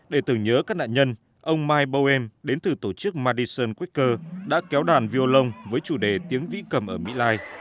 để tưởng nhớ các nạn nhân ông mike bowell đến từ tổ chức madison whiter đã kéo đàn violon với chủ đề tiếng vĩ cầm ở mỹ lai